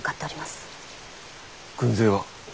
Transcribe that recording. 軍勢は？